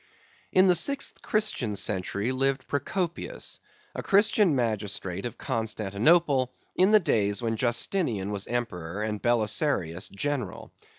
In the sixth Christian century lived Procopius, a Christian magistrate of Constantinople, in the days when Justinian was Emperor and Belisarius general.